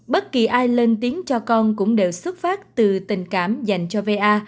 bất kỳ ai lên tiếng cho con cũng đều xuất phát từ tình cảm dành cho va